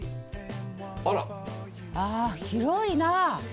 あ広いな。